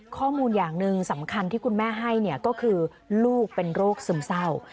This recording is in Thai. ข้อมูลอย่างหนึ่งสำคัญที่คุณแม่ให้เนี่ยก็คือลูกเป็นโรคซึมเศร้า